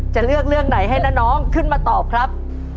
จะเลือกเรื่องไหนให้น้าน้องขึ้นมาตอบครับ